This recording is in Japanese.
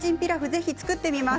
ぜひ作ってみます。